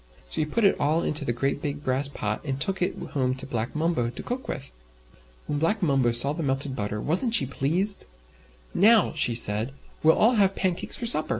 So he put it all into the great big brass pot, and took it home to Black Mumbo to cook with. When Black Mumbo saw the melted butter, wasn't she pleased! "Now," said she, "we'll all have pancakes for supper!"